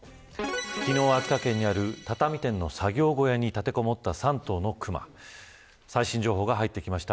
昨日、秋田県にある畳店の作業小屋に立てこもった３頭の熊最新情報が入ってきました。